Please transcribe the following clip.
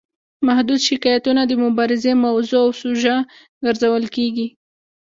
محدود شکایتونه د مبارزې موضوع او سوژه ګرځول کیږي.